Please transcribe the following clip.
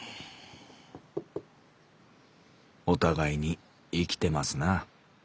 「おたがいに生きてますな。